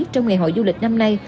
trong ngày hội du lịch năm nay